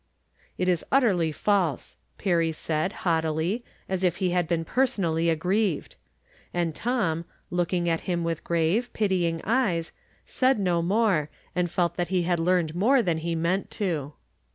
" It is utterly false," Perry said, haughtily, as if he had been personally aggrieved. And Tom, looking at him with grave, pitying eyes, said no more, and felt that he had learned more than he meant to.